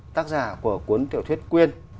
tác giả của cuốn tiểu thuyết quyên